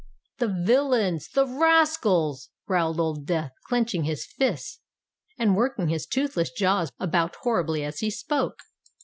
"The villains!—the rascals!" growled Old Death, clenching his fists, and working his toothless jaws about horribly as he spoke.